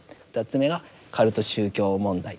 ２つ目がカルト宗教問題。